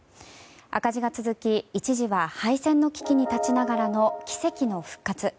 赤字が続き一時は廃線の危機に立ちながらの奇跡の復活。